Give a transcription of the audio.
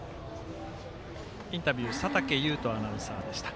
インタビュー佐竹祐人アナウンサーでした。